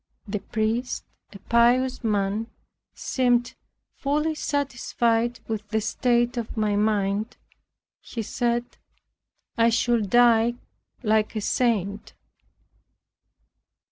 The priest, a pious man, seemed fully satisfied with the state of my mind. He said, "I should die like a saint."